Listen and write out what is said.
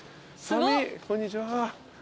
こんにちは。